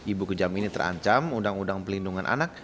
ibu kejam ini terancam undang undang pelindungan anak